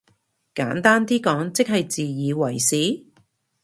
簡單啲講即係自以為是？